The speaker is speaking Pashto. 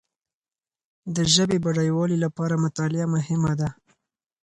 د ژبي بډایوالي لپاره مطالعه مهمه ده.